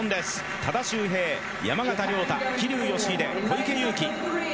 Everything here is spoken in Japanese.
多田修平、山縣亮太桐生祥秀、小池祐貴。